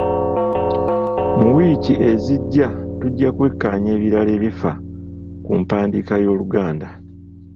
Mu wiiki ezijja tujja kwekkaanya ebirala ebifa ku mpandiika y'Oluganda.